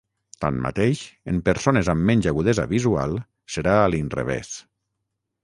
Tanmateix, en persones amb menys agudesa visual serà a l’inrevés.